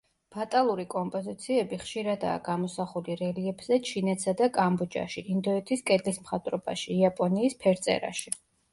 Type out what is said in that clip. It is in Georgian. ბატალური კომპოზიციები ხშირადაა გამოსახული რელიეფზე ჩინეთსა და კამბოჯაში, ინდოეთის კედლის მხატვრობაში, იაპონიის ფერწერაში.